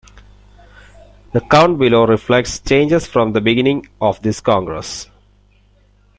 The count below reflects changes from the beginning of this Congress.